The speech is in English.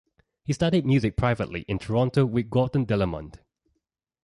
He studied music privately in Toronto with Gordon Delamont.